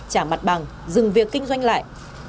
trả mặt bằng dừng việc kinh doanh lại